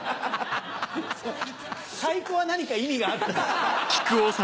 太鼓は何か意味があった？